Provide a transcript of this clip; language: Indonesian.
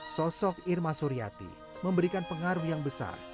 sosok irma suryati memberikan pengaruh yang besar